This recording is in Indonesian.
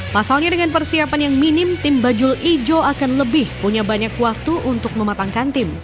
pasalnya dengan persiapan yang minim tim bajul ijo akan lebih punya banyak waktu untuk mematangkan tim